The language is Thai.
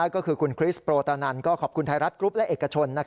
ก็คือคุณคริสโปรตานันก็ขอบคุณไทยรัฐกรุ๊ปและเอกชน